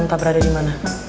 entah berada dimana